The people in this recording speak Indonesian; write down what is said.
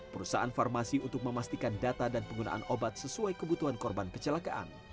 perusahaan farmasi untuk memastikan data dan penggunaan obat sesuai kebutuhan korban kecelakaan